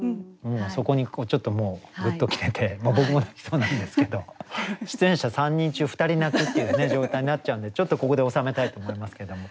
そこにちょっとグッと来てて僕も泣きそうなんですけど出演者３人中２人泣くっていう状態になっちゃうんでちょっとここで収めたいと思いますけども。